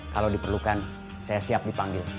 kalau diperlukan saya siap dipanggil